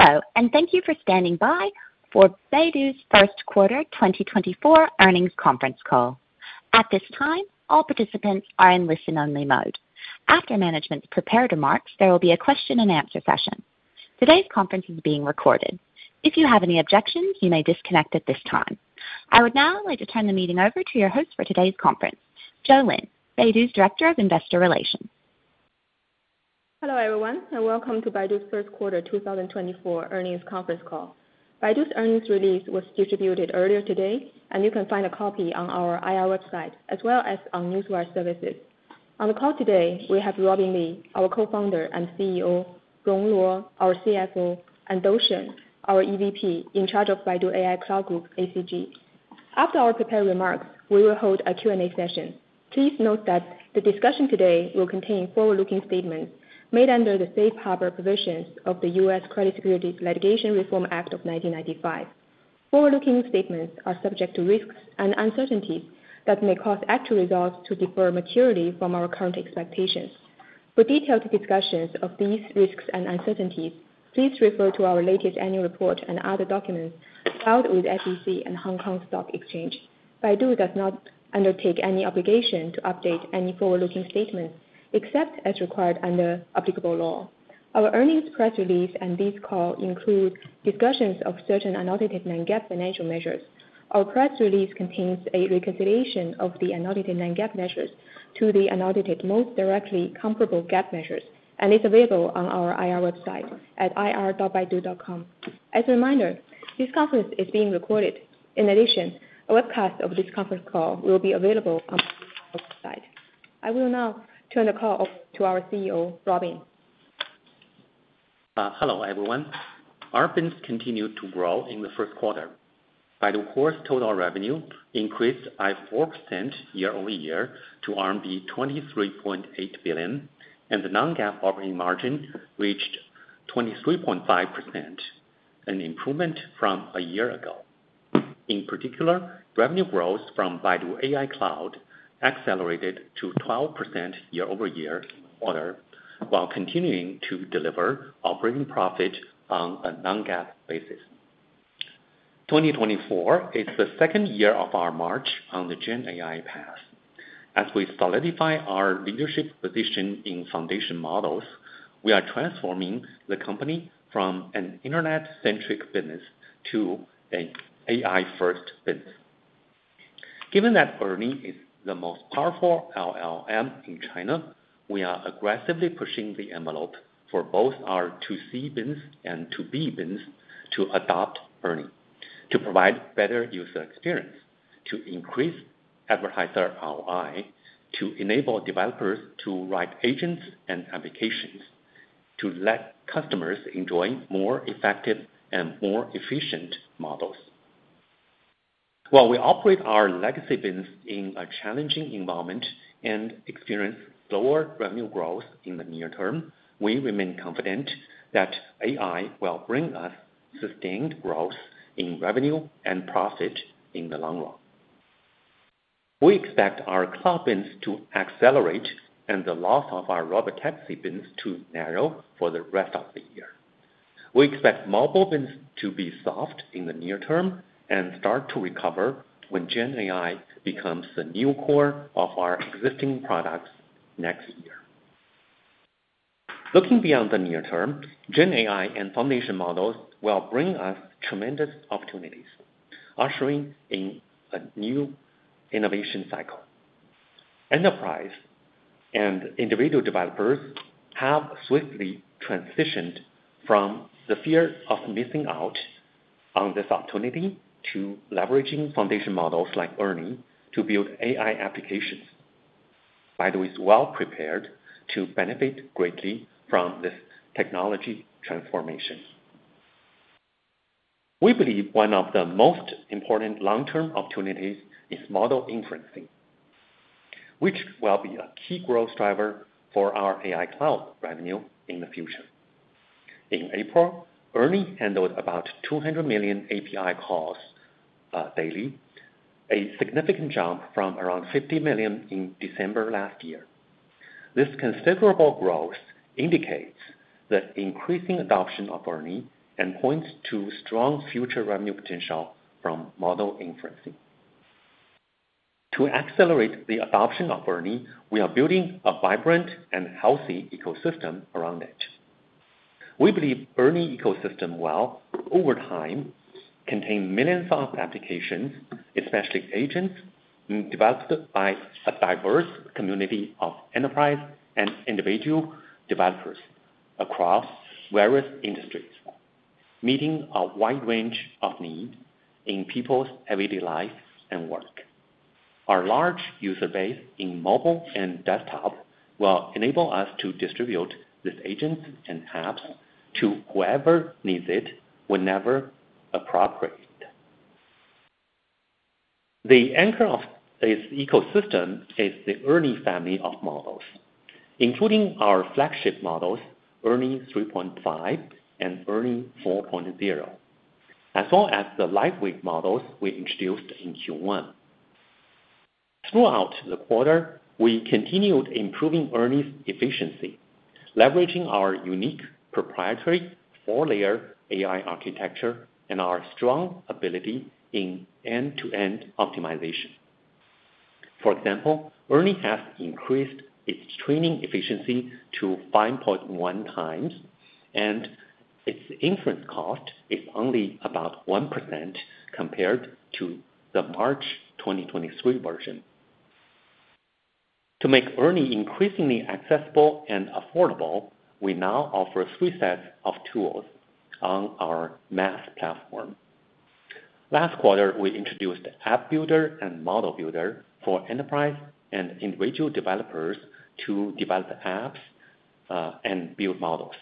Hello, and thank you for standing by for Baidu's first quarter 2024 earnings conference call. At this time, all participants are in listen-only mode. After management's prepared remarks, there will be a question and answer session. Today's conference is being recorded. If you have any objections, you may disconnect at this time. I would now like to turn the meeting over to your host for today's conference, Juan Lin, Baidu's Director of Investor Relations. Hello, everyone, and welcome to Baidu's first quarter 2024 earnings conference call. Baidu's earnings release was distributed earlier today, and you can find a copy on our IR website as well as on Newswire services. On the call today, we have Robin Li, our co-founder and CEO, Rong Luo, our CFO, and Dou Shen, our EVP, in charge of Baidu AI Cloud Group, ACG. After our prepared remarks, we will hold a Q&A session. Please note that the discussion today will contain forward-looking statements made under the safe harbor provisions of the Private Securities Litigation Reform Act of 1995. Forward-looking statements are subject to risks and uncertainties that may cause actual results to differ materially from our current expectations. For detailed discussions of these risks and uncertainties, please refer to our latest annual report and other documents filed with SEC and Hong Kong Stock Exchange. Baidu does not undertake any obligation to update any forward-looking statements, except as required under applicable law. Our earnings press release and this call include discussions of certain unaudited non-GAAP financial measures. Our press release contains a reconciliation of the unaudited non-GAAP measures to the unaudited most directly comparable GAAP measures, and is available on our IR website at ir.baidu.com. As a reminder, this conference is being recorded. In addition, a webcast of this conference call will be available on our website. I will now turn the call over to our CEO, Robin. Hello, everyone. Our business continued to grow in the first quarter. Baidu Core total revenue increased by 4% year-over-year to RMB 23.8 billion, and the non-GAAP operating margin reached 23.5%, an improvement from a year ago. In particular, revenue growth from Baidu AI Cloud accelerated to 12% year-over-year quarter, while continuing to deliver operating profit on a non-GAAP basis. 2024 is the second year of our march on the Gen AI path. As we solidify our leadership position in foundation models, we are transforming the company from an internet-centric business to an AI-first business. Given that ERNIE is the most powerful LLM in China, we are aggressively pushing the envelope for both our To C business and To B business to adopt ERNIE, to provide better user experience, to increase advertiser ROI, to enable developers to write agents and applications, to let customers enjoy more effective and more efficient models. While we operate our legacy business in a challenging environment and experience lower revenue growth in the near term, we remain confident that AI will bring us sustained growth in revenue and profit in the long run. We expect our cloud business to accelerate and the loss of our robotaxi business to narrow for the rest of the year. We expect mobile business to be soft in the near term and start to recover when Gen AI becomes the new core of our existing products next year. Looking beyond the near term, Gen AI and foundation models will bring us tremendous opportunities, ushering in a new innovation cycle. Enterprise and individual developers have swiftly transitioned from the fear of missing out on this opportunity to leveraging foundation models like ERNIE to build AI applications. Baidu is well prepared to benefit greatly from this technology transformation. We believe one of the most important long-term opportunities is model inferencing, which will be a key growth driver for our AI cloud revenue in the future. In April, ERNIE handled about 200 million API calls, daily, a significant jump from around 50 million in December last year. This considerable growth indicates the increasing adoption of ERNIE and points to strong future revenue potential from model inferencing. To accelerate the adoption of ERNIE, we are building a vibrant and healthy ecosystem around it. We believe ERNIE ecosystem will, over time, contain millions of applications, especially agents developed by a diverse community of enterprise and individual developers across various industries, meeting a wide range of need in people's everyday life and work. Our large user base in mobile and desktop will enable us to distribute these agents and apps to whoever needs it, whenever appropriate. The anchor of this ecosystem is the ERNIE family of models, including our flagship models, ERNIE 3.5 and ERNIE 4.0, as well as the lightweight models we introduced in Q1. Throughout the quarter, we continued improving ERNIE's efficiency, leveraging our unique proprietary four-layer AI architecture and our strong ability in end-to-end optimization. For example, ERNIE has increased its training efficiency to 5.1 times, and its inference cost is only about 1% compared to the March 2023 version. To make ERNIE increasingly accessible and affordable, we now offer three sets of tools on our MaaS platform. Last quarter, we introduced App Builder and Model Builder for enterprise and individual developers to develop apps and build models.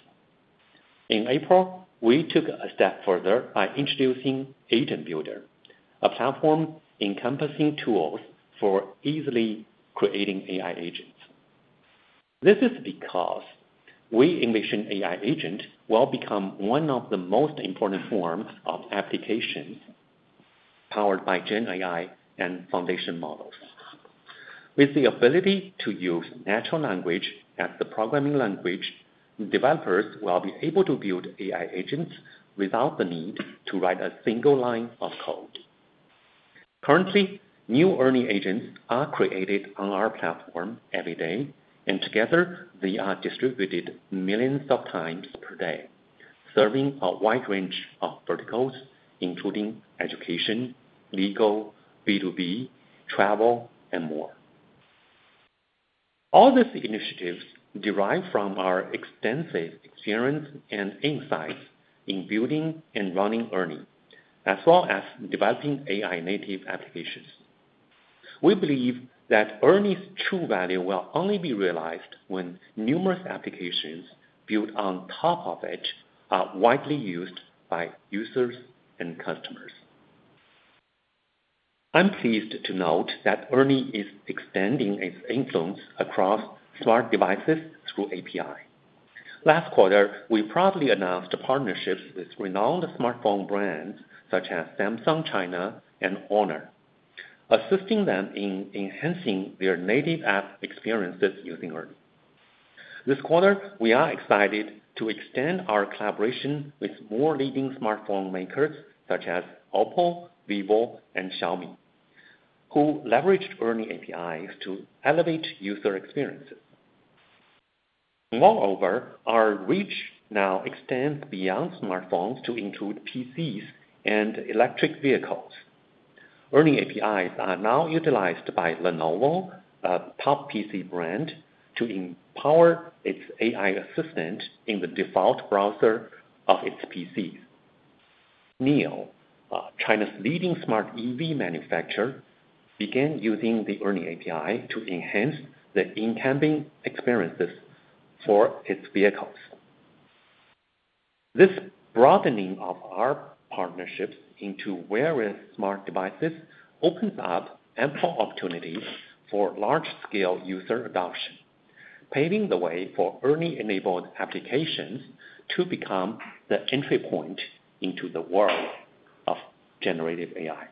In April, we took a step further by introducing Agent Builder, a platform encompassing tools for easily creating AI agents. This is because we envision AI agent will become one of the most important forms of applications powered by Gen AI and foundation models. With the ability to use natural language as the programming language, developers will be able to build AI agents without the need to write a single line of code. Currently, new ERNIE agents are created on our platform every day, and together, they are distributed millions of times per day, serving a wide range of verticals, including education, legal, B2B, travel, and more. All these initiatives derive from our extensive experience and insights in building and running ERNIE, as well as developing AI native applications. We believe that ERNIE's true value will only be realized when numerous applications built on top of it are widely used by users and customers. I'm pleased to note that ERNIE is extending its influence across smart devices through API. Last quarter, we proudly announced partnerships with renowned smartphone brands such as Samsung China and HONOR, assisting them in enhancing their native app experiences using ERNIE. This quarter, we are excited to extend our collaboration with more leading smartphone makers such as OPPO, vivo, and Xiaomi, who leveraged ERNIE APIs to elevate user experiences. Moreover, our reach now extends beyond smartphones to include PCs and electric vehicles. ERNIE APIs are now utilized by Lenovo, a top PC brand, to empower its AI assistant in the default browser of its PCs. NIO, China's leading smart EV manufacturer, began using the ERNIE API to enhance the in-cabin experiences for its vehicles. This broadening of our partnerships into various smart devices opens up ample opportunities for large-scale user adoption, paving the way for ERNIE-enabled applications to become the entry point into the world of generative AI.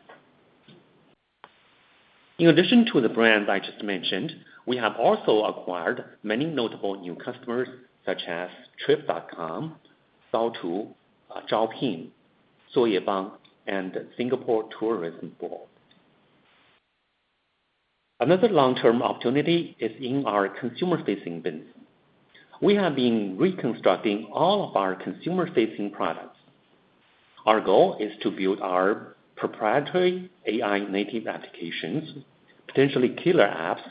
In addition to the brands I just mentioned, we have also acquired many notable new customers such as Trip.com, Saotu, Zhaopin, Zuoyebang, and Singapore Tourism Board. Another long-term opportunity is in our consumer-facing business. We have been reconstructing all of our consumer-facing products. Our goal is to build our proprietary AI native applications, potentially killer apps,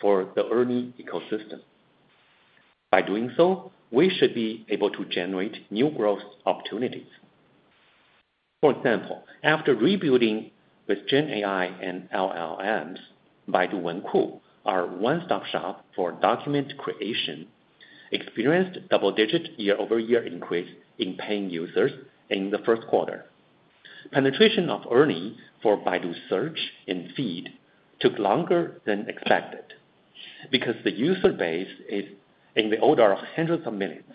for the ERNIE ecosystem. By doing so, we should be able to generate new growth opportunities. For example, after rebuilding with Gen AI and LLMs, Baidu Wenku, our one-stop shop for document creation, experienced double-digit year-over-year increase in paying users in the first quarter. Penetration of Ernie for Baidu Search and Feed took longer than expected because the user base is in the order of hundreds of millions,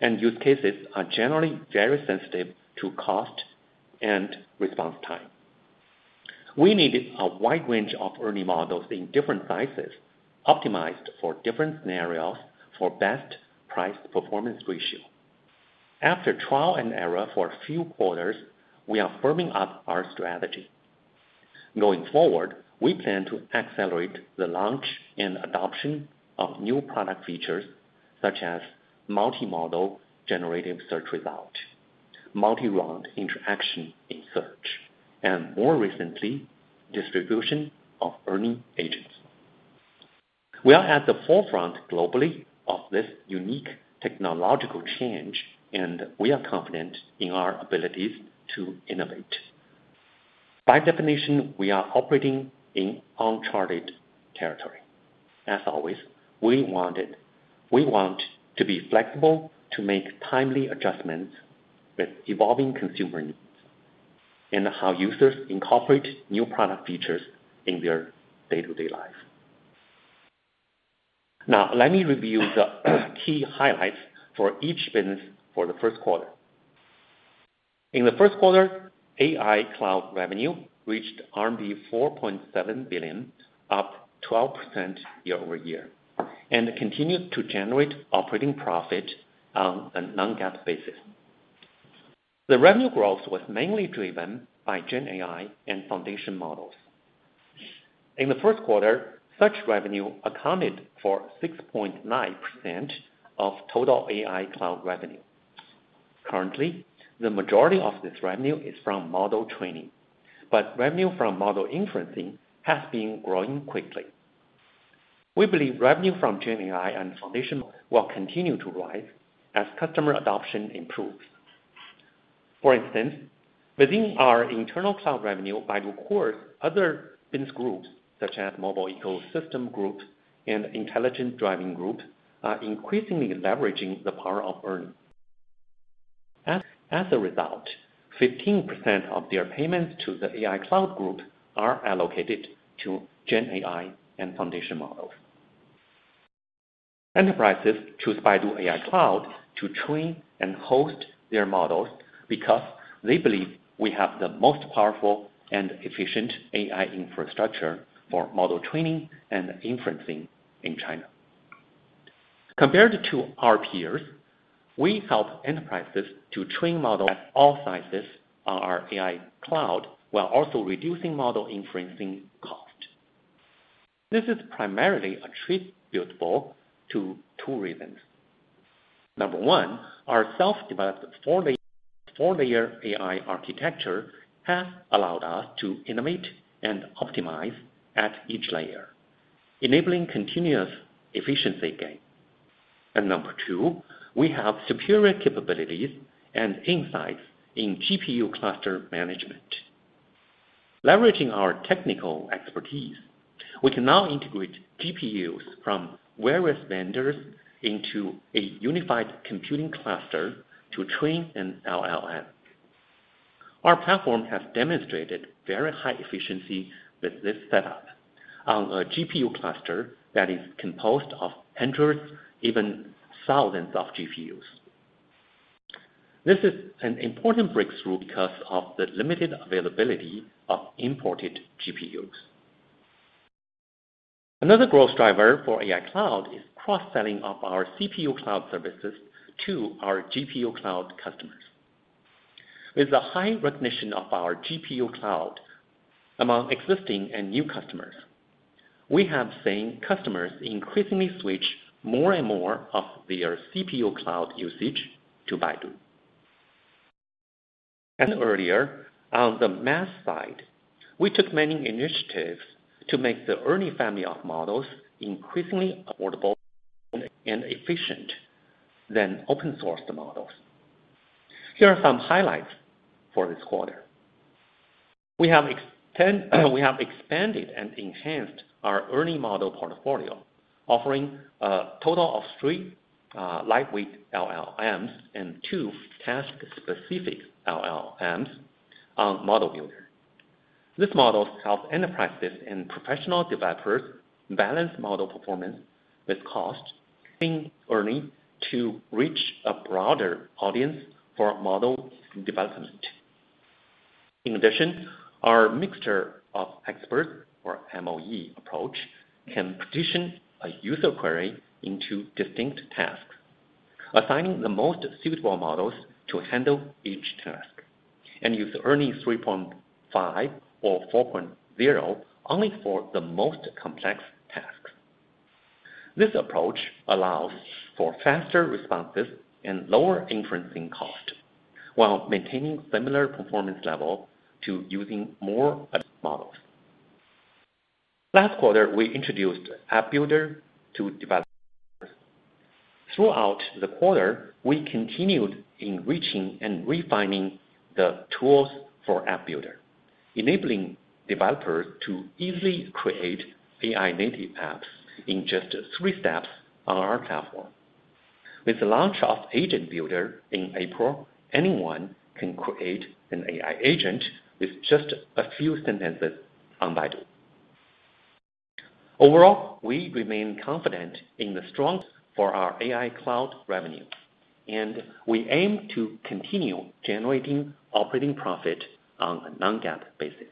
and use cases are generally very sensitive to cost and response time. We need a wide range of Ernie models in different sizes, optimized for different scenarios for best price-performance ratio. After trial and error for a few quarters, we are firming up our strategy. Going forward, we plan to accelerate the launch and adoption of new product features such as multi-model generative search result, multi-round interaction in search, and more recently, distribution of Ernie agents. We are at the forefront globally of this unique technological change, and we are confident in our abilities to innovate. By definition, we are operating in uncharted territory. As always, we want to be flexible, to make timely adjustments with evolving consumer needs, and how users incorporate new product features in their day-to-day lives... Now, let me review the key highlights for each business for the first quarter. In the first quarter, AI cloud revenue reached RMB 4.7 billion, up 12% year-over-year, and continued to generate operating profit on a non-GAAP basis. The revenue growth was mainly driven by Gen AI and foundation models. In the first quarter, such revenue accounted for 6.9% of total AI cloud revenue. Currently, the majority of this revenue is from model training, but revenue from model inferencing has been growing quickly. We believe revenue from Gen AI and foundation will continue to rise as customer adoption improves. For instance, within our internal cloud revenue, Baidu cores, other business groups, such as Mobile Ecosystem Group and Intelligent Driving Group, are increasingly leveraging the power of ERNIE. As a result, 15% of their payments to the AI cloud group are allocated to Gen AI and foundation models. Enterprises choose Baidu AI Cloud to train and host their models because they believe we have the most powerful and efficient AI infrastructure for model training and inferencing in China. Compared to our peers, we help enterprises to train models at all sizes on our AI cloud, while also reducing model inferencing cost. This is primarily attributable to two reasons. Number one, our self-developed four-layer AI architecture has allowed us to innovate and optimize at each layer, enabling continuous efficiency gain. Number two, we have superior capabilities and insights in GPU cluster management. Leveraging our technical expertise, we can now integrate GPUs from various vendors into a unified computing cluster to train an LLM. Our platform has demonstrated very high efficiency with this setup on a GPU cluster that is composed of hundreds, even thousands of GPUs. This is an important breakthrough because of the limited availability of imported GPUs. Another growth driver for AI cloud is cross-selling of our CPU cloud services to our GPU cloud customers. With the high recognition of our GPU cloud among existing and new customers, we have seen customers increasingly switch more and more of their CPU cloud usage to Baidu. As earlier, on the math side, we took many initiatives to make the ERNIE family of models increasingly affordable and efficient than open source models. Here are some highlights for this quarter. We have expanded and enhanced our ERNIE model portfolio, offering a total of 3 lightweight LLMs and two task-specific LLMs on Model Builder. These models help enterprises and professional developers balance model performance with cost in ERNIE to reach a broader audience for model development. In addition, our Mixture of Experts, or MoE approach, can partition a user query into distinct tasks, assigning the most suitable models to handle each task, and use ERNIE 3.5 or 4.0 only for the most complex tasks. This approach allows for faster responses and lower inferencing cost, while maintaining similar performance level to using more advanced models. Last quarter, we introduced App Builder to developers. Throughout the quarter, we continued in reaching and refining the tools for App Builder, enabling developers to easily create AI-native apps in just three steps on our platform. With the launch of Agent Builder in April, anyone can create an AI agent with just a few sentences on Baidu. Overall, we remain confident in the strong for our AI cloud revenue, and we aim to continue generating operating profit on a non-GAAP basis.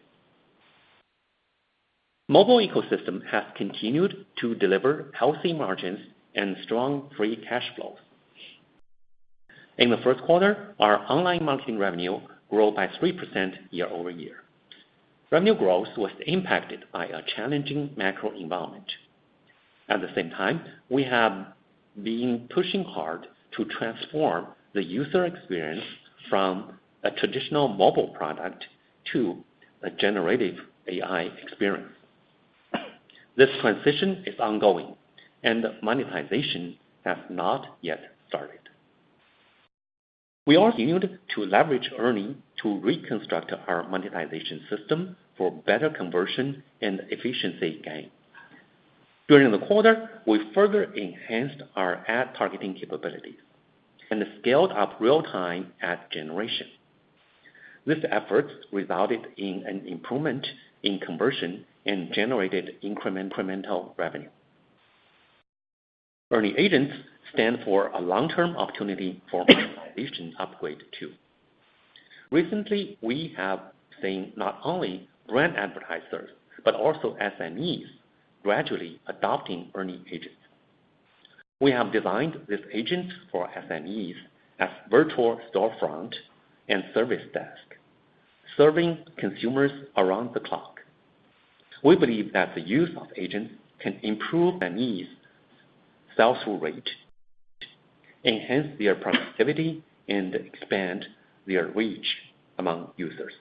Mobile Ecosystem has continued to deliver healthy margins and strong free cash flows. In the first quarter, our online marketing revenue grew by 3% year-over-year. Revenue growth was impacted by a challenging macro environment. At the same time, we have been pushing hard to transform the user experience from a traditional mobile product to a generative AI experience. This transition is ongoing and monetization has not yet started. We are continued to leverage ERNIE to reconstruct our monetization system for better conversion and efficiency gain. During the quarter, we further enhanced our ad targeting capabilities and scaled up real-time ad generation... These efforts resulted in an improvement in conversion and generated incremental, incremental revenue. ERNIE Agents stand for a long-term opportunity for monetization upgrade, too. Recently, we have seen not only brand advertisers, but also SMEs gradually adopting ERNIE agents. We have designed these agents for SMEs as virtual storefront and service desk, serving consumers around the clock. We believe that the use of agents can improve SMEs' sales rate, enhance their productivity, and expand their reach among users.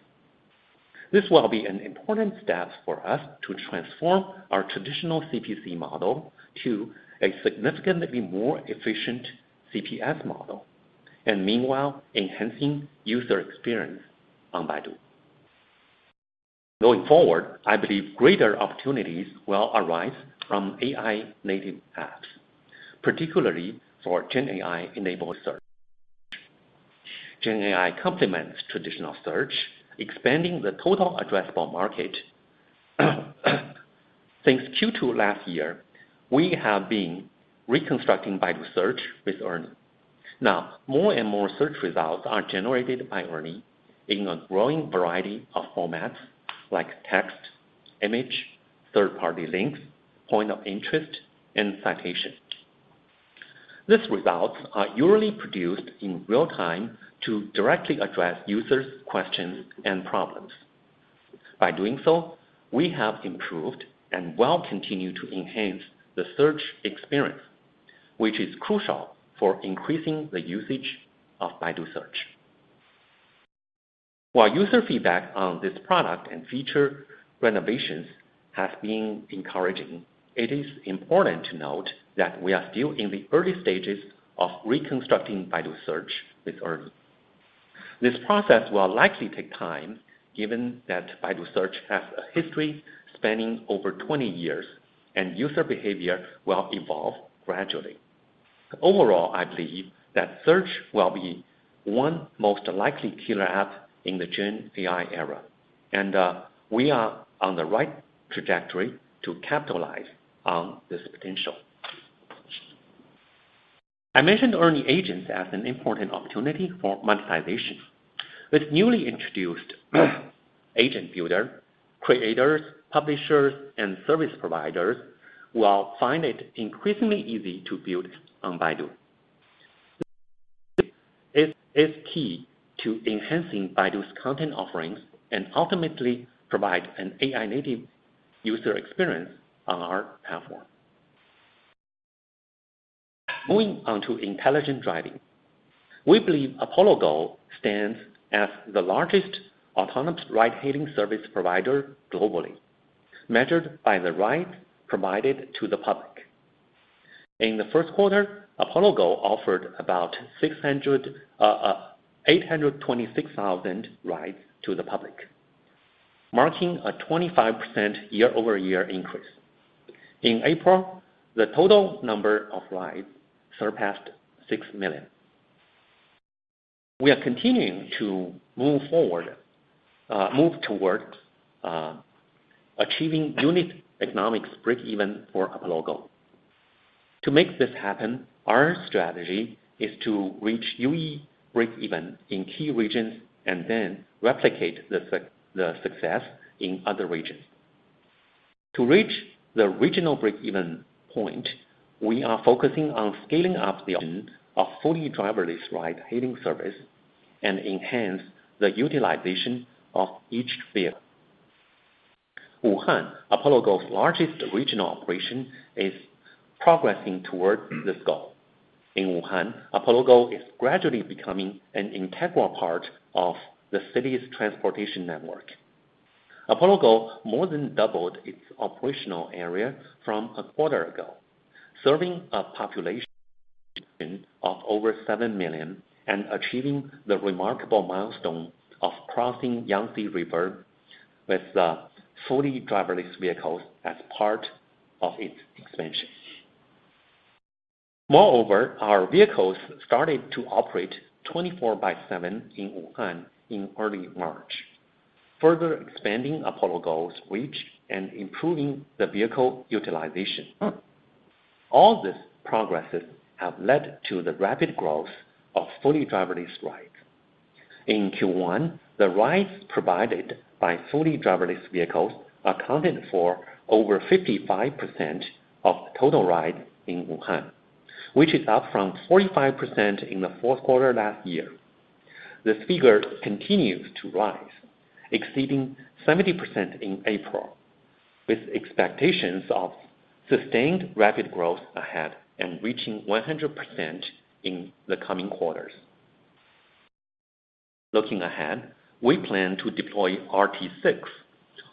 This will be an important step for us to transform our traditional CPC model to a significantly more efficient CPS model, and meanwhile, enhancing user experience on Baidu. Going forward, I believe greater opportunities will arise from AI-native apps, particularly for Gen AI-enabled search. Gen AI complements traditional search, expanding the total addressable market. Since Q2 last year, we have been reconstructing Baidu's search with ERNIE. Now, more and more search results are generated by ERNIE in a growing variety of formats like text, image, third-party links, point of interest, and citation. These results are usually produced in real time to directly address users' questions and problems. By doing so, we have improved and will continue to enhance the search experience, which is crucial for increasing the usage of Baidu search. While user feedback on this product and feature renovations have been encouraging, it is important to note that we are still in the early stages of reconstructing Baidu search with ERNIE. This process will likely take time, given that Baidu search has a history spanning over 20 years, and user behavior will evolve gradually. Overall, I believe that search will be one most likely killer app in the Gen AI era, and we are on the right trajectory to capitalize on this potential. I mentioned ERNIE agents as an important opportunity for monetization. With newly introduced Agent Builder, creators, publishers, and service providers will find it increasingly easy to build on Baidu. It is key to enhancing Baidu's content offerings and ultimately provide an AI-native user experience on our platform. Moving on to intelligent driving. We believe Apollo Go stands as the largest autonomous ride-hailing service provider globally, measured by the ride provided to the public. In the first quarter, Apollo Go offered about 826,000 rides to the public, marking a 25% year-over-year increase. In April, the total number of rides surpassed 6 million. We are continuing to move forward, move towards achieving unit economics break-even for Apollo Go. To make this happen, our strategy is to reach UE break-even in key regions and then replicate the success in other regions. To reach the regional break-even point, we are focusing on scaling up the option of fully driverless ride-hailing service and enhance the utilization of each vehicle. Wuhan, Apollo Go's largest regional operation, is progressing towards this goal. In Wuhan, Apollo Go is gradually becoming an integral part of the city's transportation network. Apollo Go more than doubled its operational area from a quarter ago, serving a population of over 7 million and achieving the remarkable milestone of crossing Yangtze River with the fully driverless vehicles as part of its expansion. Moreover, our vehicles started to operate 24/7 in Wuhan in early March, further expanding Apollo Go's reach and improving the vehicle utilization. All these progresses have led to the rapid growth of fully driverless rides. In Q1, the rides provided by fully driverless vehicles accounted for over 55% of the total rides in Wuhan, which is up from 45% in the fourth quarter last year. This figure continues to rise, exceeding 70% in April, with expectations of sustained rapid growth ahead and reaching 100% in the coming quarters. Looking ahead, we plan to deploy RT6,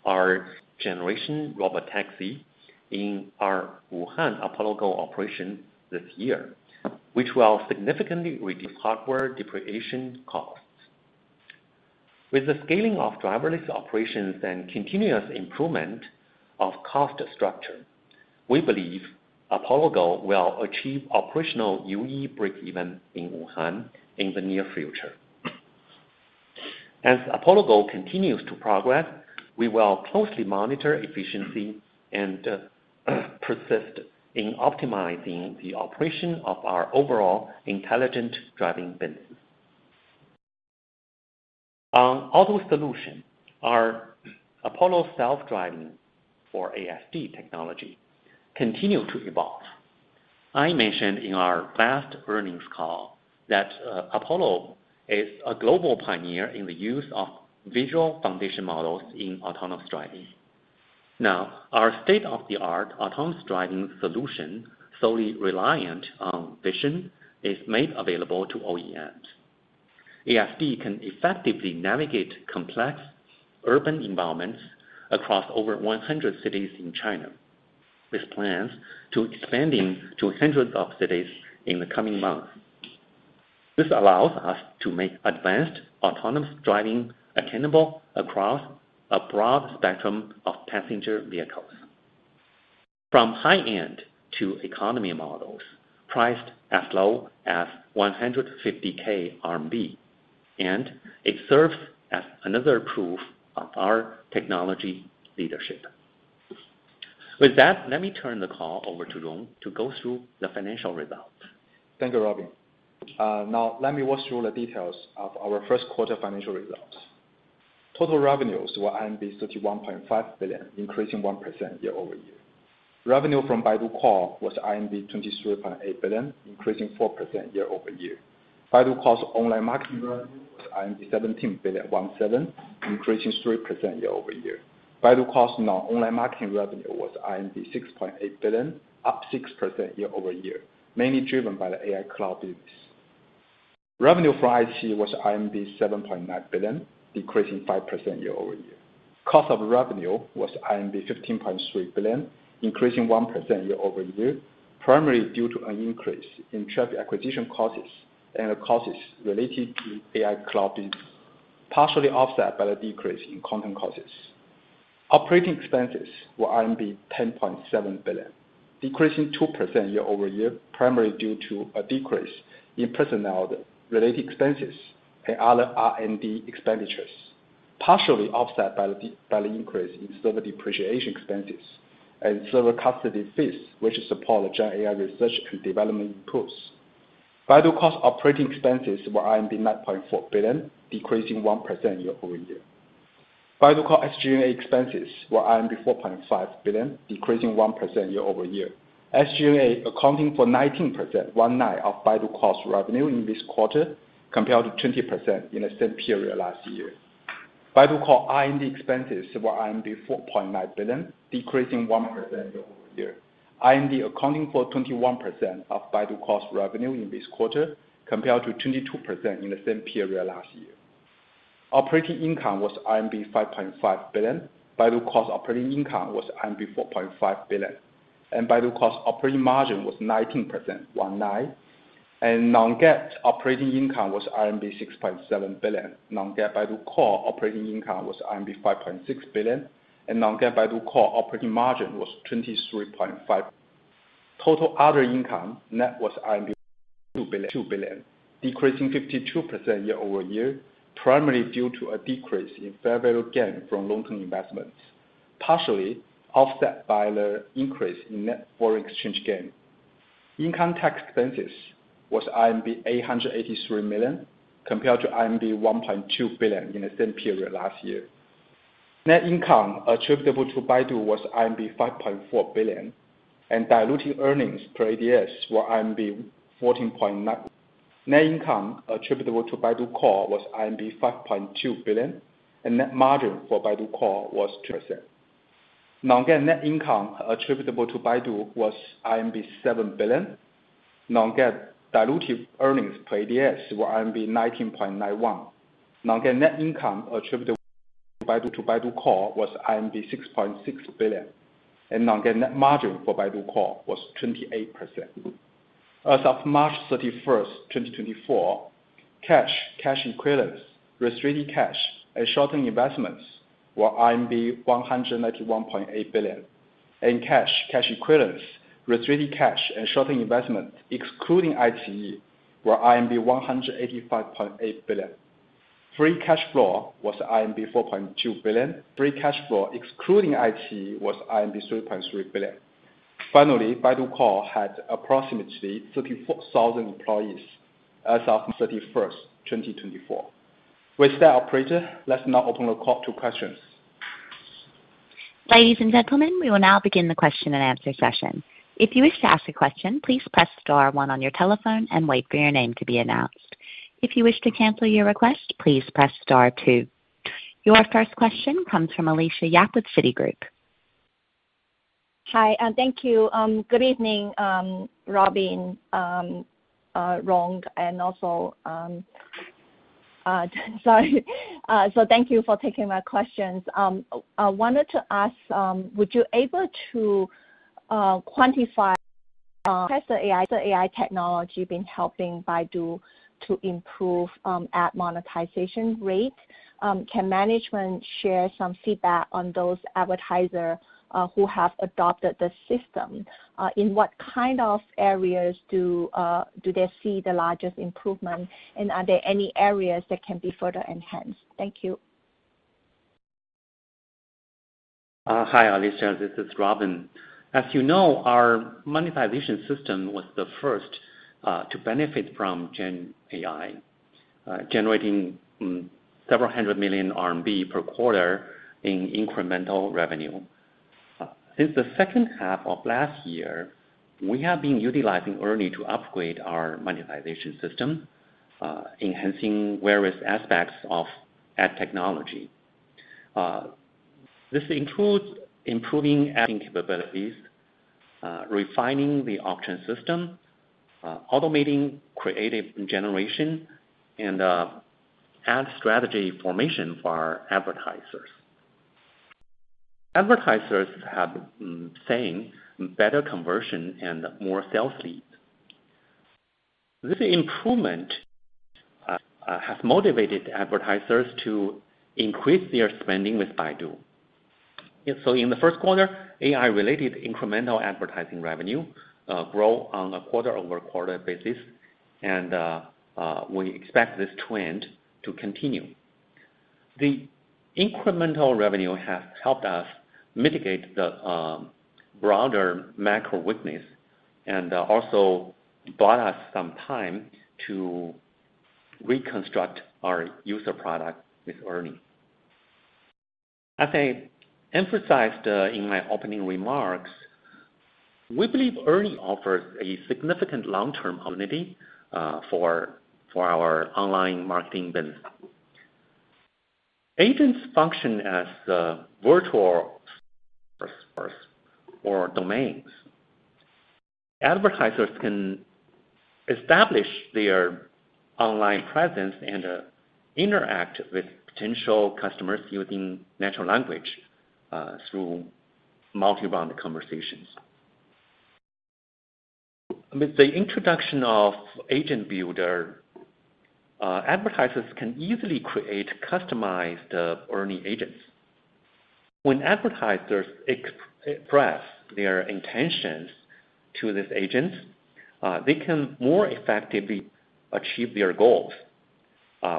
our sixth-generation robotaxi, in our Wuhan Apollo Go operation this year, which will significantly reduce hardware depreciation costs. With the scaling of driverless operations and continuous improvement of cost structure, we believe Apollo Go will achieve operational UE breakeven in Wuhan in the near future. As Apollo Go continues to progress, we will closely monitor efficiency and persist in optimizing the operation of our overall intelligent driving business. On auto solution, our Apollo self-driving, or ASD technology, continue to evolve. I mentioned in our last earnings call that Apollo is a global pioneer in the use of visual foundation models in autonomous driving. Now, our state-of-the-art autonomous driving solution, solely reliant on vision, is made available to OEMs. ASD can effectively navigate complex urban environments across over 100 cities in China, with plans to expanding to hundreds of cities in the coming months. This allows us to make advanced autonomous driving attainable across a broad spectrum of passenger vehicles, from high-end to economy models, priced as low as 150,000 RMB, and it serves as another proof of our technology leadership. With that, let me turn the call over to Rong to go through the financial results. Thank you, Robin. Now let me walk through the details of our first quarter financial results. Total revenues were 31.5 billion, increasing 1% year-over-year. Revenue from Baidu Core was 23.8 billion, increasing 4% year-over-year. Baidu Core's online marketing revenue was 17.17 billion, increasing 3% year-over-year. Baidu Core's non-online marketing revenue was 6.8 billion, up 6% year-over-year, mainly driven by the AI cloud business. Revenue for iQIYI was 7.9 billion, decreasing 5% year-over-year. Cost of revenue was 15.3 billion, increasing 1% year-over-year, primarily due to an increase in traffic acquisition costs and the costs related to AI cloud business, partially offset by the decrease in content costs. Operating expenses were 10.7 billion, decreasing 2% year-over-year, primarily due to a decrease in personnel-related expenses and other R&D expenditures, partially offset by the increase in server depreciation expenses and server custody fees, which support the general AI research and development costs. Baidu Core's operating expenses were 9.4 billion, decreasing 1% year-over-year. Baidu Core SG&A expenses were CNY 4.5 billion, decreasing 1% year-over-year. SG&A accounting for 19% of Baidu Core's revenue in this quarter, compared to 20% in the same period last year. Baidu Core R&D expenses were 4.9 billion, decreasing 1% year-over-year. R&D accounting for 21% of Baidu Core's revenue in this quarter, compared to 22% in the same period last year. Operating income was RMB 5.5 billion. Baidu Core's operating income was RMB 4.5 billion, and Baidu Core's operating margin was 19%, 19. Non-GAAP operating income was RMB 6.7 billion. Non-GAAP Baidu Core operating income was RMB 5.6 billion, and non-GAAP Baidu Core operating margin was 23.5%. Total other income net was 2 billion, decreasing 52% year-over-year, primarily due to a decrease in fair value gain from long-term investments, partially offset by the increase in net foreign exchange gain. Income tax expenses was 883 million, compared to 1.2 billion in the same period last year. Net income attributable to Baidu was 5.4 billion, and dilutive earnings per ADS were 14.9. Net income attributable to Baidu Core was 5.2 billion, and net margin for Baidu Core was 2%. Non-GAAP net income attributable to Baidu was RMB 7 billion. Non-GAAP dilutive earnings per ADS were RMB 19.91. Non-GAAP net income attributable to Baidu, to Baidu Core was RMB 6.6 billion, and non-GAAP net margin for Baidu Core was 28%. As of March 31st, 2024, cash, cash equivalents, restricted cash and short-term investments were 191.8 billion, and cash, cash equivalents, restricted cash and short-term investments, excluding iQIYI, were 185.8 billion. Free cash flow was 4.2 billion. Free cash flow, excluding iQIYI was 3.3 billion. Finally, Baidu Core had approximately 34,000 employees as of the 31st, 2024. With that, operator, let's now open the call to questions. Ladies and gentlemen, we will now begin the question and answer session. If you wish to ask a question, please press star one on your telephone and wait for your name to be announced. If you wish to cancel your request, please press star two. Your first question comes from Alicia Yap with Citigroup. Hi, and thank you. Good evening, Robin, and also, sorry. So thank you for taking my questions. I wanted to ask, has the AI, the AI technology been helping Baidu to improve ad monetization rate? Can management share some feedback on those advertiser who have adopted the system? In what kind of areas do they see the largest improvement? And are there any areas that can be further enhanced? Thank you. Hi, Alicia, this is Robin. As you know, our monetization system was the first to benefit from Gen AI, generating several hundred million RMB per quarter in incremental revenue. Since the second half of last year, we have been utilizing ERNIE to upgrade our monetization system, enhancing various aspects of ad technology. This includes improving ad capabilities, refining the auction system, automating creative generation, and ad strategy formation for our advertisers. Advertisers have seen better conversion and more sales leads. This improvement has motivated advertisers to increase their spending with Baidu. And so in the first quarter, AI-related incremental advertising revenue grew on a quarter-over-quarter basis, and we expect this trend to continue. The incremental revenue has helped us mitigate the broader macro weakness, and also bought us some time to reconstruct our user product with ERNIE. As I emphasized in my opening remarks, we believe ERNIE offers a significant long-term opportunity for our online marketing business. Agents function as virtual first or domains. Advertisers can establish their online presence and interact with potential customers using natural language through multi-bound conversations. With the introduction of Agent Builder, advertisers can easily create customized ERNIE agents. When advertisers express their intentions to these agents, they can more effectively achieve their goals,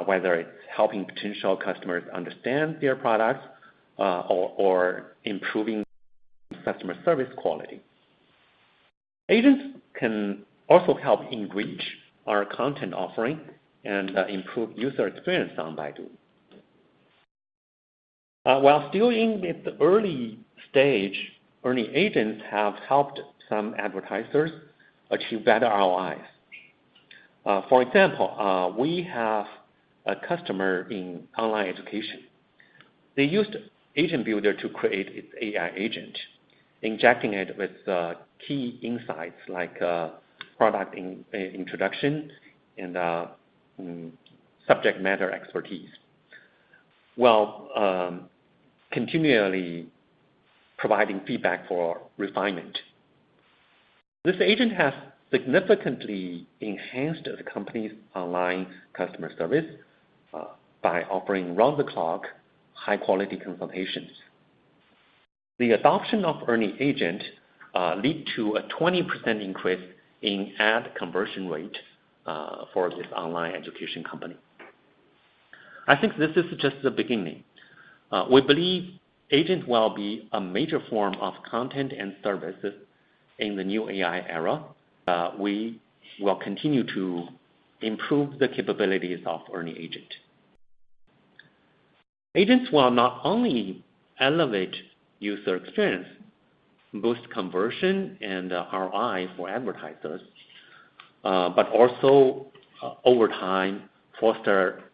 whether it's helping potential customers understand their products or improving customer service quality. Agents can also help enrich our content offering and improve user experience on Baidu. While still in its early stage, ERNIE agents have helped some advertisers achieve better ROIs. For example, we have a customer in online education. They used Agent Builder to create its AI agent, injecting it with key insights like product introduction and subject matter expertise. Well, continually providing feedback for refinement. This agent has significantly enhanced the company's online customer service by offering round-the-clock, high-quality consultations. The adoption of ERNIE agent lead to a 20% increase in ad conversion rate for this online education company. I think this is just the beginning. We believe agent will be a major form of content and services in the new AI era. We will continue to improve the capabilities of ERNIE agent. Agents will not only elevate user experience, boost conversion and ROI for advertisers, but also, over time, foster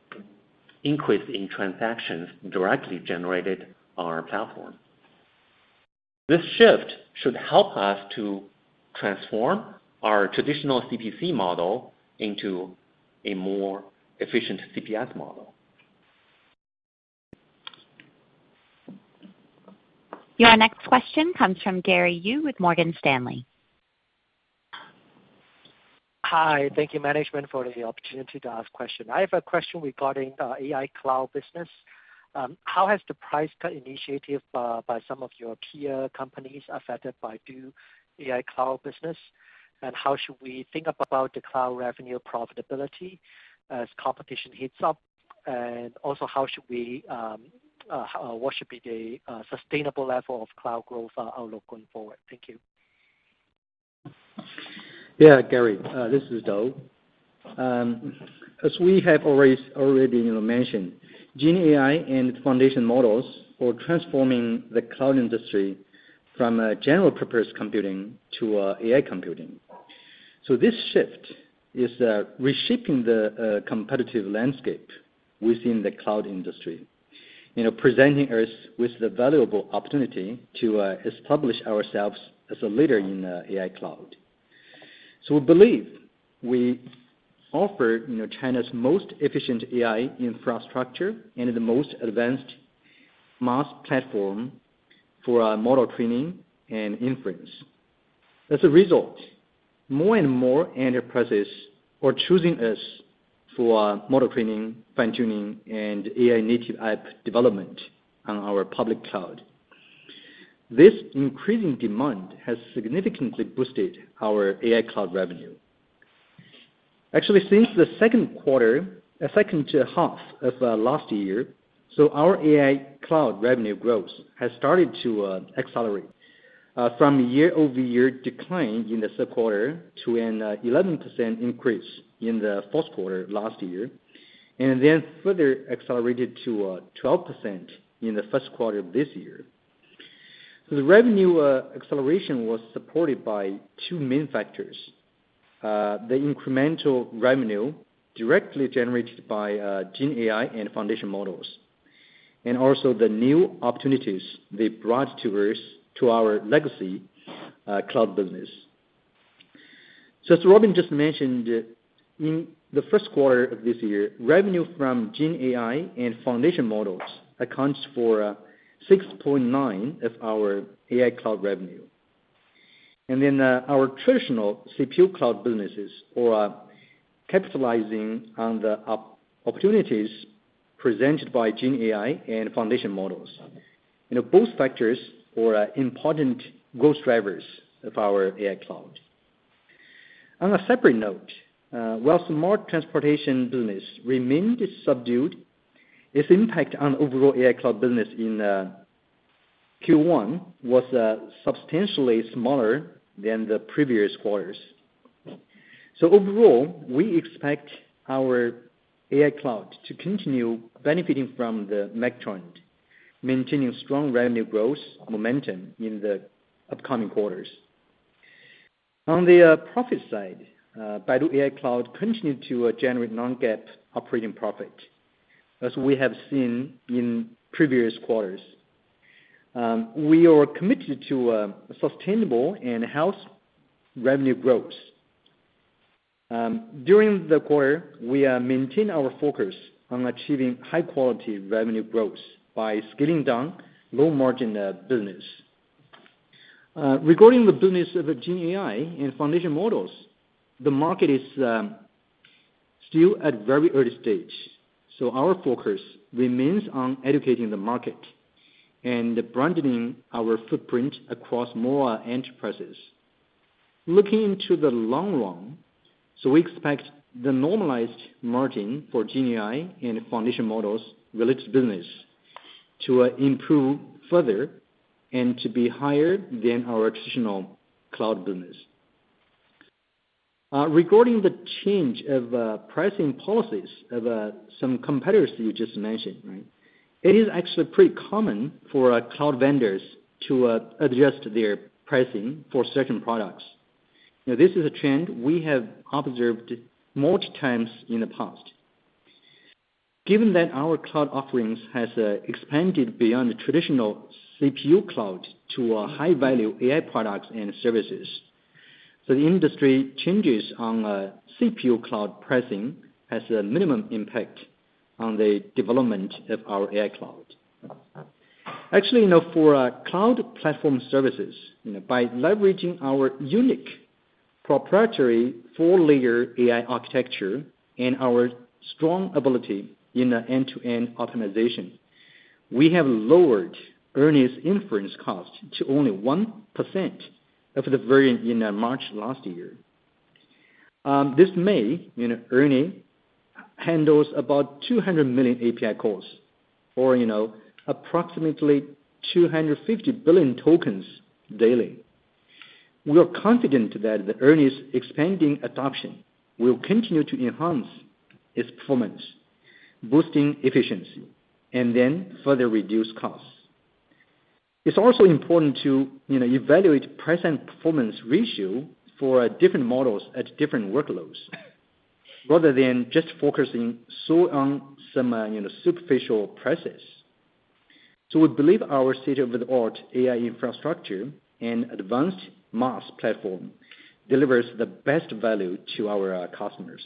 increase in transactions directly generated on our platform. This shift should help us to transform our traditional CPC model into a more efficient CPS model. Your next question comes from Gary Yu with Morgan Stanley. Hi. Thank you, management, for the opportunity to ask question. I have a question regarding AI Cloud business. How has the price cut initiative by some of your peer companies affected Baidu's AI Cloud business? And how should we think about the cloud revenue profitability as competition heats up? And also, how should we, what should be the sustainable level of cloud growth outlook going forward? Thank you. Yeah, Gary, this is Luo. As we have always already been mentioned, Gen AI and foundation models for transforming the cloud industry from a general-purpose computing to AI computing. So this shift is reshaping the competitive landscape within the cloud industry, you know, presenting us with the valuable opportunity to establish ourselves as a leader in AI cloud. So we believe we offer, you know, China's most efficient AI infrastructure and the most advanced MaaS platform for our model training and inference. As a result, more and more enterprises are choosing us for our model training, fine-tuning, and AI native app development on our public cloud. This increasing demand has significantly boosted our AI cloud revenue. Actually, since the second quarter, second half of, last year, so our AI cloud revenue growth has started to accelerate, from year-over-year decline in the third quarter to an 11% increase in the fourth quarter last year, and then further accelerated to 12% in the first quarter of this year. The revenue acceleration was supported by two main factors: the incremental revenue directly generated by GenAI and foundation models, and also the new opportunities they brought to us, to our legacy cloud business. So as Robin just mentioned, in the first quarter of this year, revenue from GenAI and foundation models accounts for 6.9 of our AI cloud revenue. Then, our traditional CPU cloud businesses are capitalizing on the opportunities presented by GenAI and foundation models. You know, both factors are important growth drivers of our AI cloud. On a separate note, while smart transportation business remained subdued, its impact on overall AI cloud business in Q1 was substantially smaller than the previous quarters. So overall, we expect our AI cloud to continue benefiting from the mega trend, maintaining strong revenue growth momentum in the upcoming quarters. On the profit side, Baidu AI Cloud continued to generate non-GAAP operating profit, as we have seen in previous quarters. We are committed to sustainable and healthy revenue growth. During the quarter, we maintained our focus on achieving high quality revenue growth by scaling down low margin business. Regarding the business of GenAI and foundation models, the market is still at very early stage, so our focus remains on educating the market and broadening our footprint across more enterprises. Looking into the long run, so we expect the normalized margin for GenAI and foundation models related business to improve further and to be higher than our traditional cloud business. Regarding the change of pricing policies of some competitors you just mentioned, right? It is actually pretty common for cloud vendors to adjust their pricing for certain products. Now, this is a trend we have observed many times in the past. Given that our cloud offerings has expanded beyond the traditional CPU cloud to a high-value AI products and services, so the industry changes on CPU cloud pricing has a minimum impact on the development of our AI cloud. Actually, you know, for cloud platform services, you know, by leveraging our unique proprietary four-layer AI architecture and our strong ability in the end-to-end optimization, we have lowered Ernie's inference cost to only 1% of the variant in March last year. This May, you know, Ernie handles about 200 million API calls, or, you know, approximately 250 billion tokens daily. We are confident that the Ernie's expanding adoption will continue to enhance its performance, boosting efficiency, and then further reduce costs. It's also important to, you know, evaluate price and performance ratio for different models at different workloads, rather than just focusing so on some, you know, superficial prices. So we believe our state-of-the-art AI infrastructure and advanced MaaS platform delivers the best value to our customers.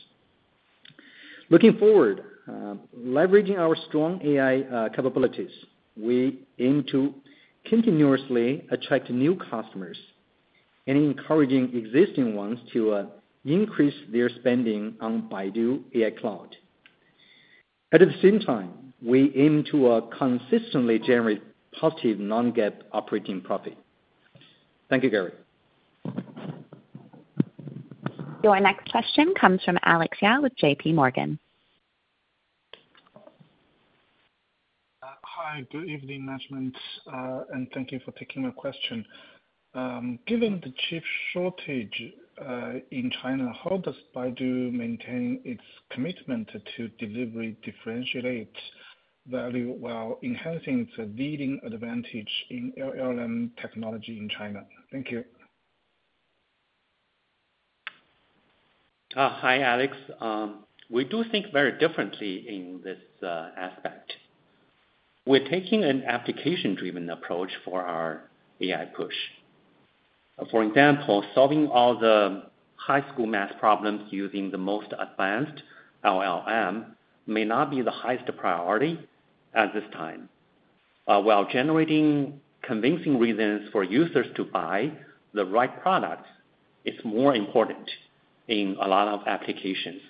Looking forward, leveraging our strong AI capabilities, we aim to continuously attract new customers and encouraging existing ones to increase their spending on Baidu AI Cloud. At the same time, we aim to consistently generate positive non-GAAP operating profit. Thank you, Gary. Your next question comes from Alex Yao with JPMorgan. Hi, good evening, management, and thank you for taking my question. Given the chip shortage in China, how does Baidu maintain its commitment to delivery differentiate value while enhancing its leading advantage in LLM technology in China? Thank you. Hi, Alex. We do think very differently in this aspect. We're taking an application-driven approach for our AI push. For example, solving all the high school math problems using the most advanced LLM may not be the highest priority at this time. While generating convincing reasons for users to buy the right products is more important in a lot of applications.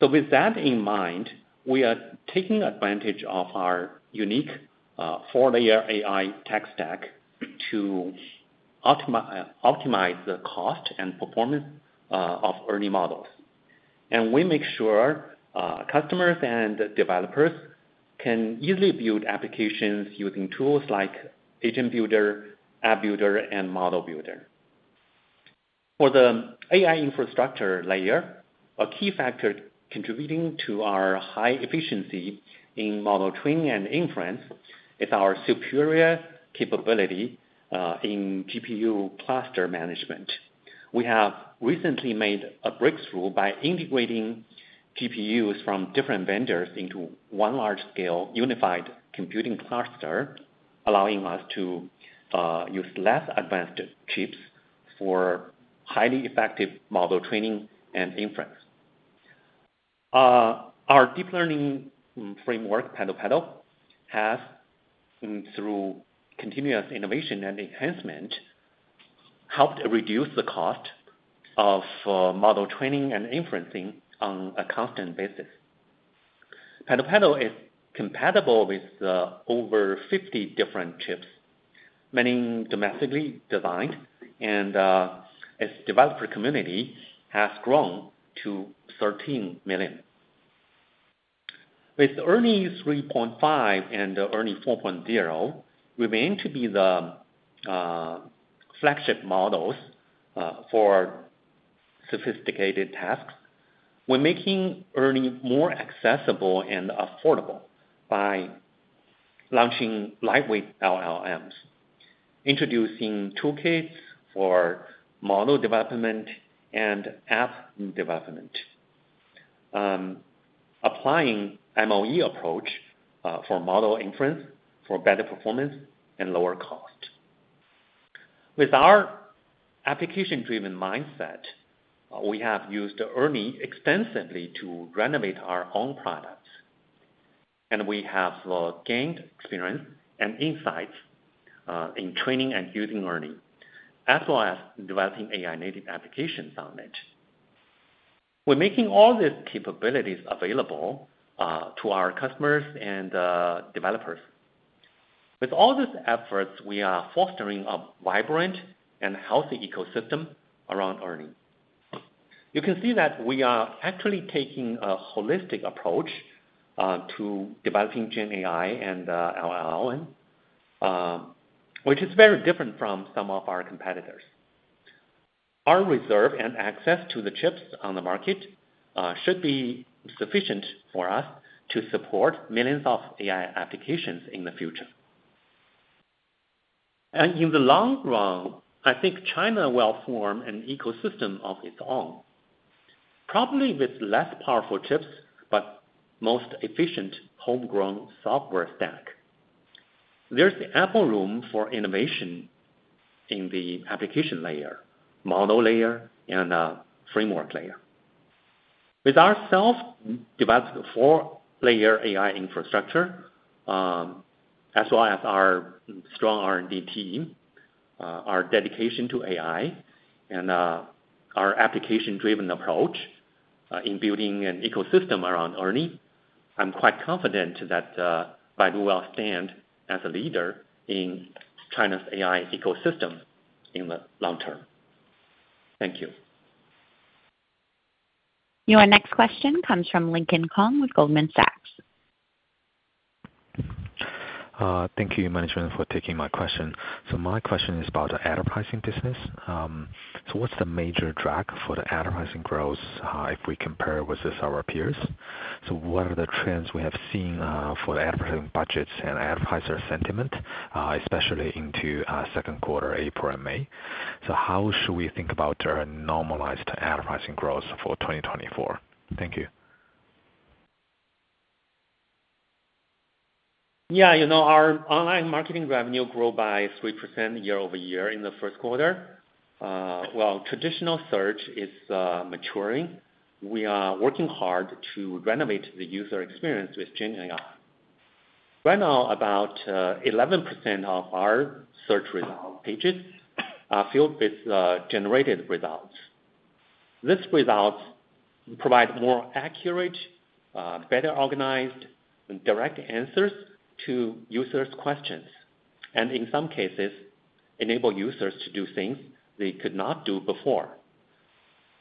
So with that in mind, we are taking advantage of our unique four-layer AI tech stack to optimize the cost and performance of ERNIE models. And we make sure customers and developers can easily build applications using tools like Agent Builder, App Builder, and Model Builder. For the AI infrastructure layer, a key factor contributing to our high efficiency in model training and inference is our superior capability in GPU cluster management. We have recently made a breakthrough by integrating GPUs from different vendors into one large-scale, unified computing cluster, allowing us to use less advanced chips for highly effective model training and inference. Our deep learning framework, PaddlePaddle, has, through continuous innovation and enhancement, helped reduce the cost of model training and inferencing on a constant basis. PaddlePaddle is compatible with over 50 different chips, many domestically designed, and its developer community has grown to 13 million. With ERNIE 3.5 and ERNIE 4.0, we aim to be the flagship models for sophisticated tasks. We're making ERNIE more accessible and affordable by launching lightweight LLMs, introducing toolkits for model development and app development. Applying MoE approach for model inference, for better performance and lower cost. With our application-driven mindset, we have used ERNIE extensively to renovate our own products, and we have gained experience and insights in training and using ERNIE, as well as developing AI-native applications on it. We're making all these capabilities available to our customers and developers. With all these efforts, we are fostering a vibrant and healthy ecosystem around ERNIE. You can see that we are actually taking a holistic approach to developing Gen AI and LLM, which is very different from some of our competitors. Our reserve and access to the chips on the market should be sufficient for us to support millions of AI applications in the future. In the long run, I think China will form an ecosystem of its own, probably with less powerful chips, but most efficient homegrown software stack. There's ample room for innovation in the application layer, model layer, and framework layer. With our self-developed four-layer AI infrastructure, as well as our strong R&D team, our dedication to AI, and our application-driven approach in building an ecosystem around Ernie, I'm quite confident that Baidu will stand as a leader in China's AI ecosystem in the long term. Thank you. Your next question comes from Lincoln Kong with Goldman Sachs. Thank you, management, for taking my question. So my question is about the advertising business. So what's the major drag for the advertising growth, if we compare with this our peers? So what are the trends we have seen, for the advertising budgets and advertiser sentiment, especially into, second quarter, April and May? So how should we think about our normalized advertising growth for 2024? Thank you. Yeah, you know, our online marketing revenue grew by 3% year-over-year in the first quarter. While traditional search is maturing, we are working hard to renovate the user experience with Gen AI. Right now, about 11% of our search result pages are filled with generated results. These results provide more accurate, better organized and direct answers to users' questions, and in some cases, enable users to do things they could not do before.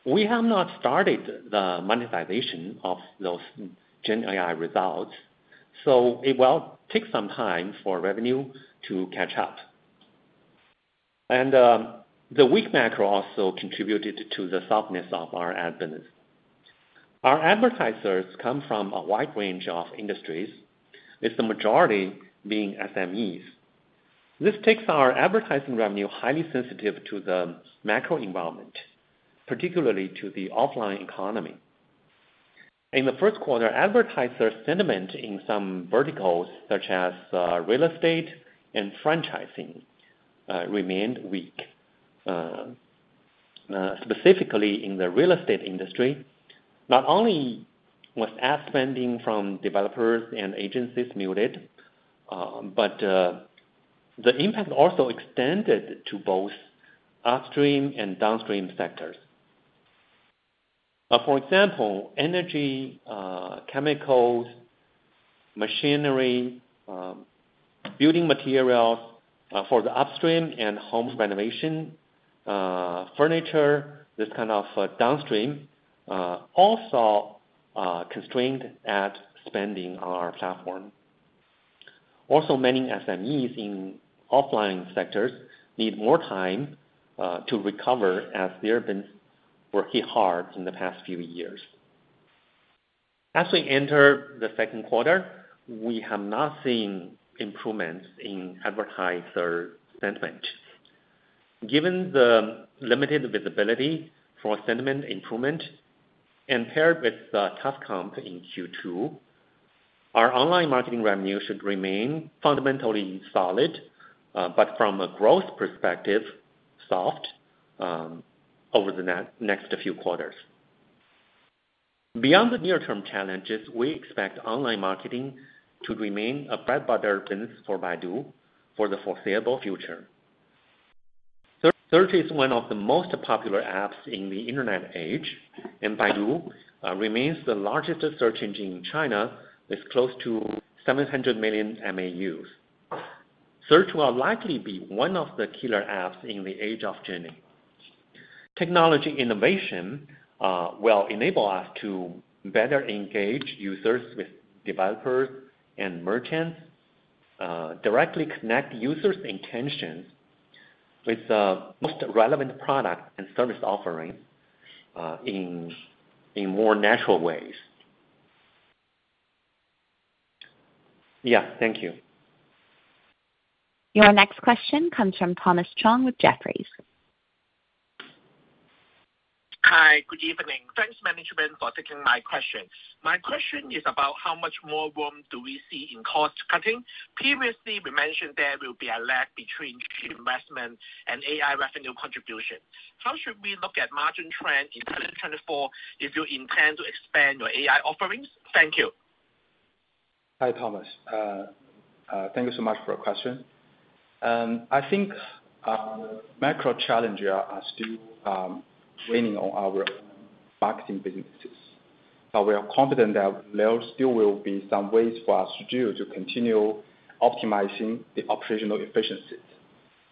We have not started the monetization of those Gen AI results, so it will take some time for revenue to catch up. The weak macro also contributed to the softness of our ad business. Our advertisers come from a wide range of industries, with the majority being SMEs. This makes our advertising revenue highly sensitive to the macro environment, particularly to the offline economy. In the first quarter, advertiser sentiment in some verticals, such as, real estate and franchising, remained weak. Specifically in the real estate industry, not only was ad spending from developers and agencies muted, but the impact also extended to both upstream and downstream sectors. For example, energy, chemicals, machinery, building materials, for the upstream and homes renovation, furniture, this kind of, downstream, also constrained ad spending on our platform. Also, many SMEs in offline sectors need more time to recover as they have been working hard in the past few years. As we enter the second quarter, we have not seen improvements in advertiser sentiment. Given the limited visibility for sentiment improvement and paired with the tough comp in Q2, our online marketing revenue should remain fundamentally solid, but from a growth perspective, soft, over the next few quarters. Beyond the near-term challenges, we expect online marketing to remain a bread-and-butter business for Baidu for the foreseeable future. Search is one of the most popular apps in the internet age, and Baidu remains the largest search engine in China, with close to 700 million MAUs. Search will likely be one of the killer apps in the age of Genie. Technology innovation will enable us to better engage users with developers and merchants, directly connect users' intentions with the most relevant product and service offerings, in more natural ways. Yeah, thank you. Your next question comes from Thomas Chong with Jefferies. Hi, good evening. Thanks, management, for taking my question. My question is about how much more room do we see in cost cutting? Previously, we mentioned there will be a lag between investment and AI revenue contribution. How should we look at margin trend in 2024, if you intend to expand your AI offerings? Thank you. Hi, Thomas. Thank you so much for your question. I think the macro challenges are still weighing on our marketing businesses, but we are confident that there still will be some ways for us to continue optimizing the operational efficiencies.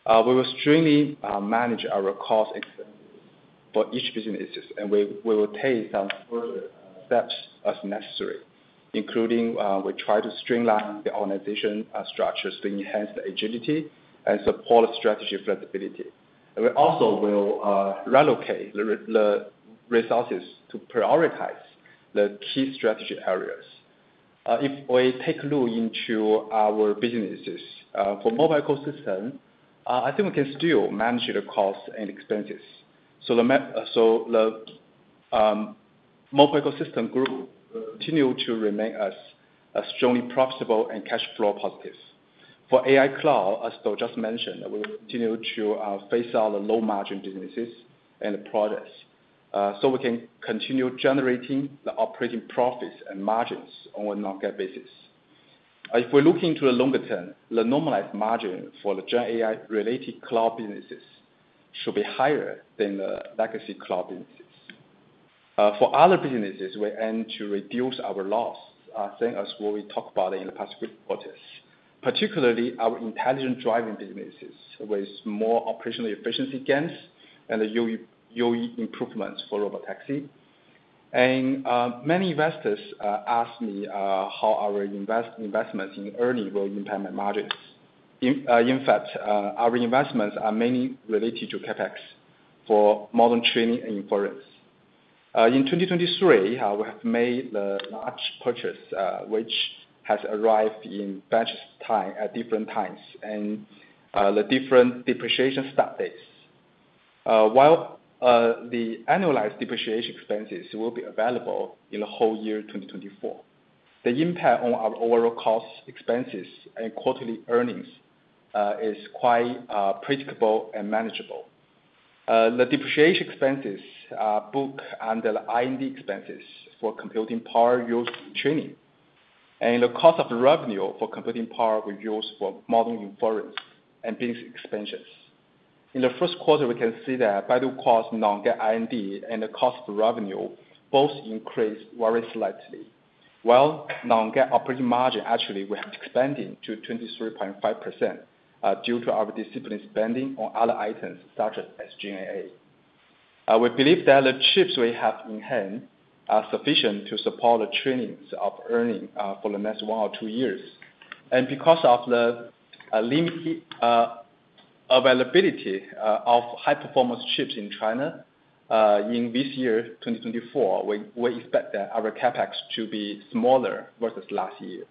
We will strictly manage our cost expense for each businesses, and we will take some further steps as necessary, including we try to streamline the organization structures to enhance the agility and support strategic flexibility. We also will relocate the resources to prioritize the key strategy areas. If we take a look into our businesses for mobile ecosystem, I think we can still manage the cost and expenses. So the mobile ecosystem group continue to remain as strongly profitable and cash flow positives. For AI Cloud, as Dou just mentioned, we will continue to phase out the low-margin businesses and products, so we can continue generating the operating profits and margins on a non-GAAP basis. If we look into the longer term, the normalized margin for the GenAI-related cloud businesses should be higher than the legacy cloud businesses. For other businesses, we aim to reduce our loss, same as what we talked about in the past quarters, particularly our intelligent driving businesses, with more operational efficiency gains and the UE improvements for Robotaxi. Many investors ask me how our investments in AI will impact my margins. In fact, our investments are mainly related to CapEx for model training and inference. In 2023, we have made a large purchase, which has arrived in batches over time, at different times, and the different depreciation start dates. While the annualized depreciation expenses will be available in the whole year 2024, the impact on our overall cost, expenses, and quarterly earnings is quite predictable and manageable. The depreciation expenses are booked under the R&D expenses for computing power used in training, and the cost of revenue for computing power we use for model inference and business expansions. In the first quarter, we can see that Baidu costs non-GAAP R&D and the cost of revenue both increased very slightly, while non-GAAP operating margin actually we have expanded to 23.5%, due to our disciplined spending on other items such as G&A. We believe that the chips we have in hand are sufficient to support the trainings of ERNIE for the next one or two years. And because of the limited availability of high-performance chips in China, in this year, 2024, we expect that our CapEx to be smaller versus last year.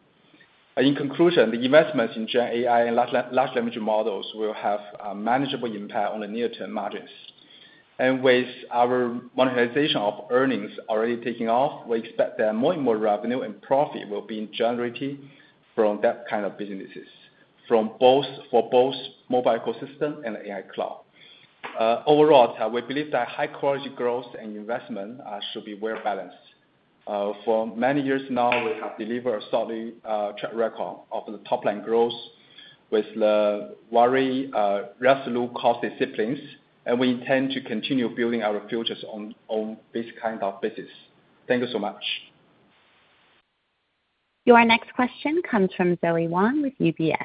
In conclusion, the investments in Gen AI and large language models will have manageable impact on the near-term margins. And with our monetization of ERNIE already taking off, we expect that more and more revenue and profit will be generated from that kind of businesses, from both, for both mobile ecosystem and AI cloud. Overall, we believe that high-quality growth and investment should be well balanced. For many years now, we have delivered a solid track record of the top line growth with the very resolute cost disciplines, and we intend to continue building our futures on this kind of business. Thank you so much. Your next question comes from Zoe Wong with UBS.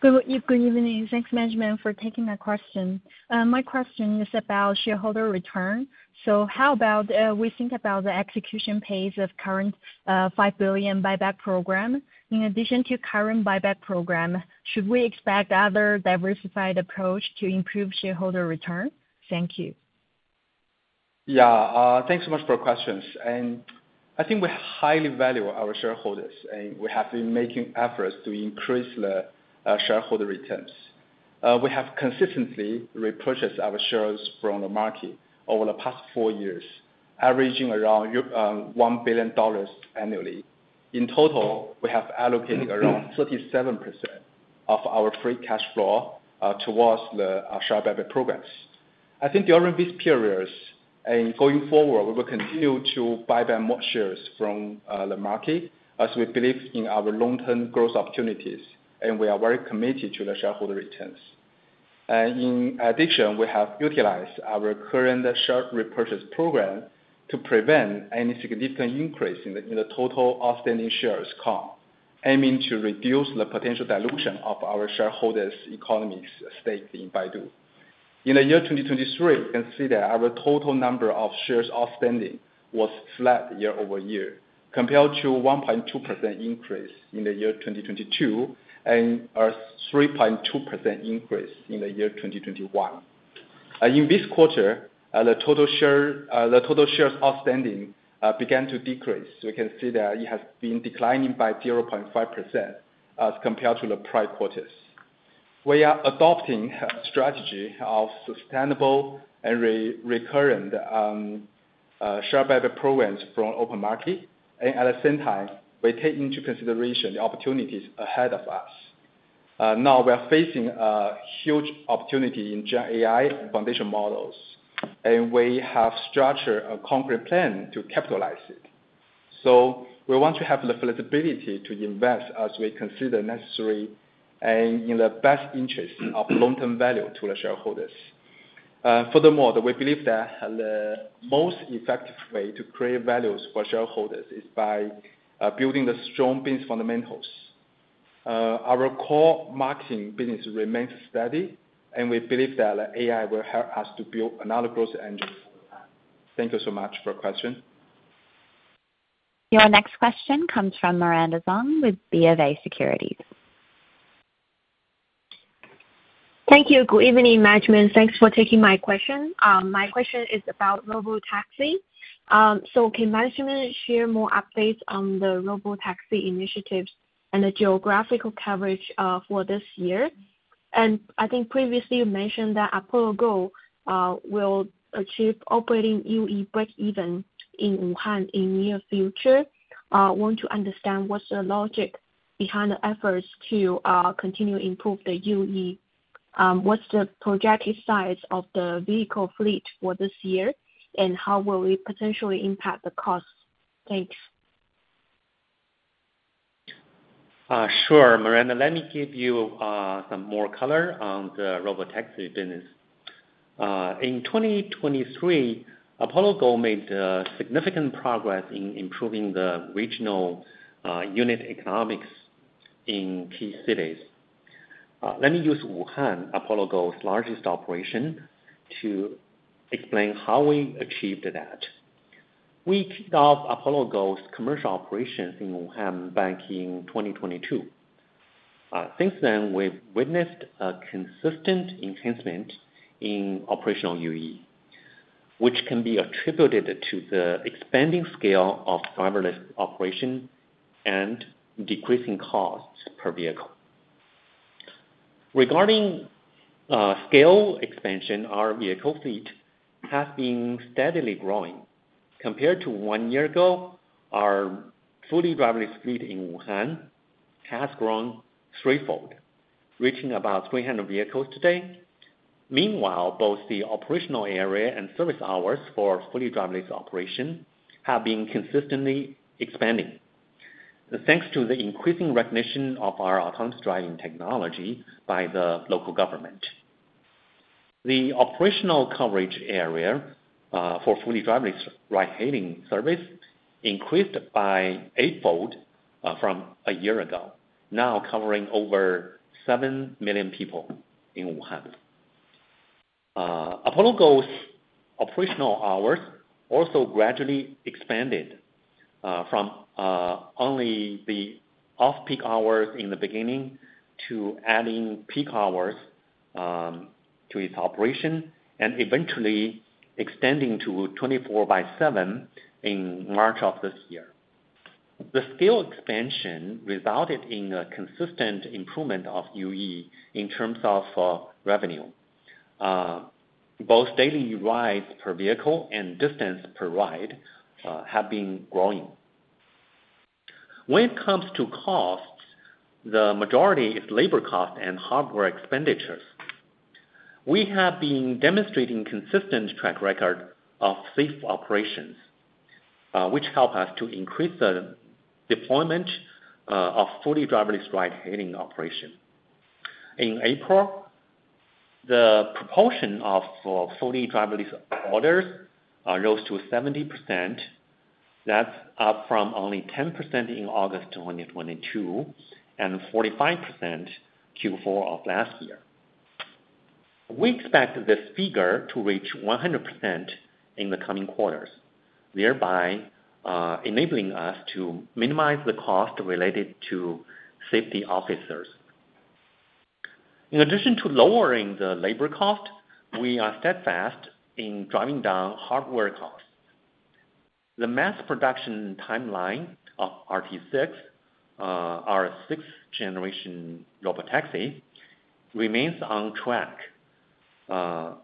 Good evening. Thanks, management, for taking my question. My question is about shareholder return. So how about we think about the execution pace of current $5 billion buyback program? In addition to current buyback program, should we expect other diversified approach to improve shareholder return? Thank you. Yeah, thanks so much for questions. And I think we highly value our shareholders, and we have been making efforts to increase the, shareholder returns. We have consistently repurchased our shares from the market over the past four years, averaging around $1 billion annually. In total, we have allocated around 37% of our free cash flow, towards the, share buyback programs. I think during these periods, and going forward, we will continue to buy back more shares from the market as we believe in our long-term growth opportunities, and we are very committed to the shareholder returns. And in addition, we have utilized our current share repurchase program to prevent any significant increase in the total outstanding shares count, aiming to reduce the potential dilution of our shareholders' economic stake in Baidu. In the year 2023, you can see that our total number of shares outstanding was flat year-over-year, compared to 1.2% increase in the year 2022, and a 3.2% increase in the year 2021. In this quarter, the total shares outstanding began to decrease. You can see that it has been declining by 0.5% as compared to the prior quarters. We are adopting a strategy of sustainable and recurrent share buyback programs from open market, and at the same time, we take into consideration the opportunities ahead of us. Now we are facing a huge opportunity in Gen AI foundation models, and we have structured a concrete plan to capitalize it. So we want to have the flexibility to invest as we consider necessary and in the best interest of long-term value to the shareholders. Furthermore, we believe that the most effective way to create values for shareholders is by building the strong business fundamentals. Our core marketing business remains steady, and we believe that AI will help us to build another growth engine over time. Thank you so much for your question. Your next question comes from Miranda Zhuang with BofA Securities. Thank you. Good evening, management. Thanks for taking my question. My question is about Robotaxi. So can management share more updates on the Robotaxi initiatives and the geographical coverage, for this year? And I think previously you mentioned that Apollo Go will achieve operating UE breakeven in Wuhan in near future. I want to understand what's the logic behind the efforts to continue improve the UE. What's the projected size of the vehicle fleet for this year, and how will it potentially impact the costs? Thanks. Sure, Miranda. Let me give you some more color on the Robotaxi business. In 2023, Apollo Go made significant progress in improving the regional unit economics in key cities. Let me use Wuhan, Apollo Go's largest operation, to explain how we achieved that. We kicked off Apollo Go's commercial operations in Wuhan back in 2022. Since then, we've witnessed a consistent enhancement in operational UE, which can be attributed to the expanding scale of driverless operation and decreasing costs per vehicle. Regarding scale expansion, our vehicle fleet has been steadily growing. Compared to one year ago, our fully driverless fleet in Wuhan has grown threefold, reaching about 300 vehicles today. Meanwhile, both the operational area and service hours for fully driverless operation have been consistently expanding. Thanks to the increasing recognition of our autonomous driving technology by the local government. The operational coverage area, for fully driverless ride-hailing service increased by eightfold, from a year ago, now covering over 7 million people in Wuhan. Apollo Go's operational hours also gradually expanded, from, only the off-peak hours in the beginning to adding peak hours to its operation, and eventually extending to 24/7 in March of this year. The scale expansion resulted in a consistent improvement of UE in terms of revenue. Both daily rides per vehicle and distance per ride have been growing. When it comes to costs, the majority is labor cost and hardware expenditures. We have been demonstrating consistent track record of safe operations, which help us to increase the deployment of fully driverless ride-hailing operation. In April, the proportion of fully driverless orders rose to 70%. That's up from only 10% in August 2022, and 45% Q4 of last year. We expect this figure to reach 100% in the coming quarters, thereby enabling us to minimize the cost related to safety officers. In addition to lowering the labor cost, we are steadfast in driving down hardware costs. The MaaS production timeline of RT6, our sixth generation robotaxi, remains on track.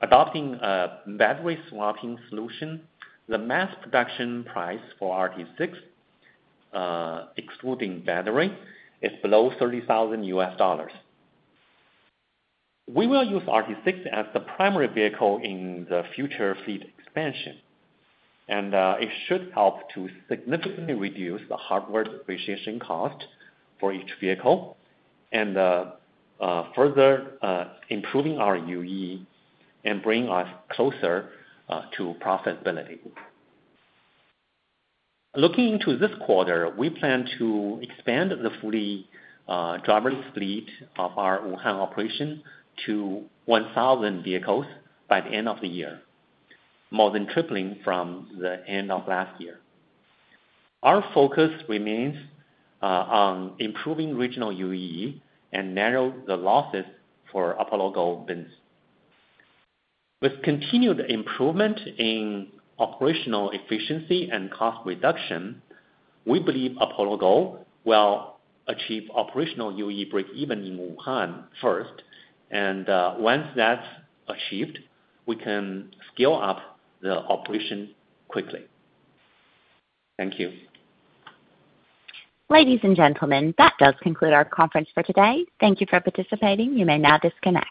Adopting a battery swapping solution, the MaaS production price for RT6, excluding battery, is below $30,000. We will use RT6 as the primary vehicle in the future fleet expansion, and it should help to significantly reduce the hardware depreciation cost for each vehicle and further improving our UE and bring us closer to profitability. Looking into this quarter, we plan to expand the fully driverless fleet of our Wuhan operation to 1,000 vehicles by the end of the year, more than tripling from the end of last year. Our focus remains on improving regional UE and narrow the losses for Apollo Go business. With continued improvement in operational efficiency and cost reduction, we believe Apollo Go will achieve operational UE break-even in Wuhan first and once that's achieved, we can scale up the operation quickly. Thank you. Ladies and gentlemen, that does conclude our conference for today. Thank you for participating. You may now disconnect.